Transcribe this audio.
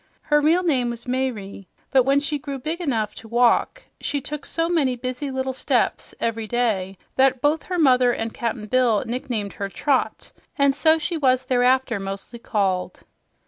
Her real name was Mayre, but when she grew big enough to walk, she took so many busy little steps every day that both her mother and Cap'n Bill nicknamed her "Trot," and so she was thereafter mostly called.